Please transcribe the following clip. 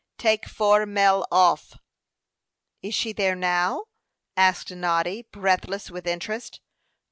"Take four mel off." "Is she there now?" asked Noddy, breathless with interest.